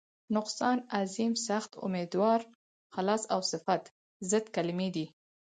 نقصان، عظیم، سخت، امیدوار، خلاص او صفت ضد کلمې دي.